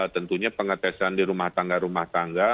tentunya pengetesan di rumah tangga rumah tangga